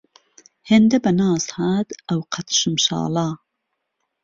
هێنده به ناز هات ئەو قهد شمشاڵه